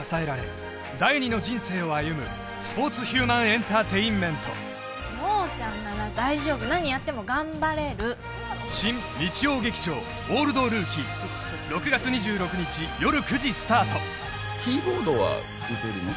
スポーツヒューマンエンターテインメント亮ちゃんなら大丈夫何やっても頑張れる新日曜劇場「オールドルーキー」６月２６日夜９時スタートキーボードは打てるの？